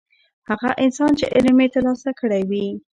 هغه انسان چې علم یې ترلاسه کړی وي.